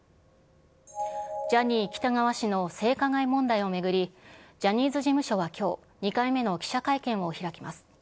ジャニー喜多川氏の性加害問題を巡り、ジャニーズ事務所はきょう、２回目の記者会見を開きます。